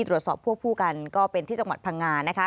ตรวจสอบพวกผู้กันก็เป็นที่จังหวัดพังงานนะคะ